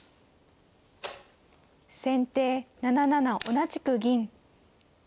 先手７七同じく銀。